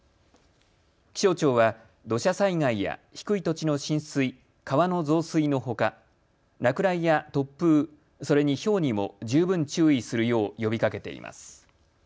気象庁は土砂災害や低い土地の浸水、川の増水のほか落雷や突風、それにひょうにも十分注意するよう呼びかけています。